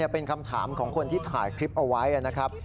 เป็นคำถามของคนที่ถ่ายคลิปเอาไว้นะครับ